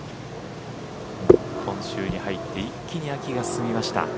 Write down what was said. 今週に入って一気に秋が進みました。